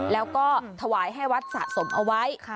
แล้วก็ถวายให้วัดสะสมเอาไว้